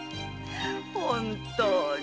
本当に。